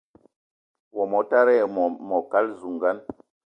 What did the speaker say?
Wo motara ayi wo mokal zugan